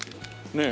ねえ。